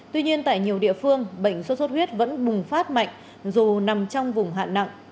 tuy nhiên tại nhiều địa phương bệnh xuất xuất huyết vẫn bùng phát mạnh dù nằm trong vùng hạn nặng